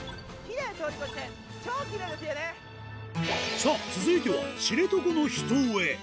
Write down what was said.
さあ、続いては知床の秘湯へ。